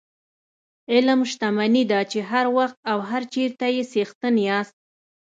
علم شتمني ده چې هر وخت او هر چېرته یې څښتن یاست.